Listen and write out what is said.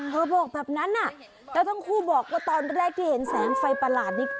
บอกแบบนั้นแล้วทั้งคู่บอกว่าตอนแรกที่เห็นแสงไฟประหลาดนี้